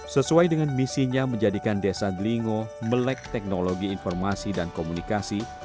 sesuai dengan misinya menjadikan desa delingo melek teknologi informasi dan komunikasi